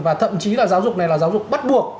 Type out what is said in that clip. và thậm chí là giáo dục này là giáo dục bắt buộc